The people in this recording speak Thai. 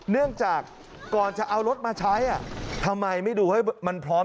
เนื่องจากก่อนจะเอารถมาใช้ทำไมไม่ดูให้มันพร้อม